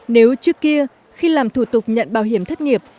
nếu trước kia khi làm thủ tục nhận bảo hiểm thất nghiệp